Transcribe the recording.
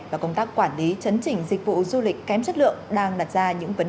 và công tác quản lý chấn chỉnh dịch vụ du lịch kém chất lượng đang đặt ra